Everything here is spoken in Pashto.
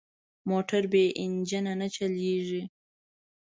موټر بې انجن نه چلېږي.